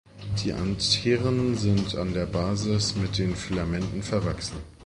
Die Antheren sind an der Basis mit den Filamenten verwachsen.